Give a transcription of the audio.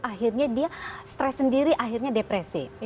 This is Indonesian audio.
akhirnya dia stres sendiri akhirnya depresi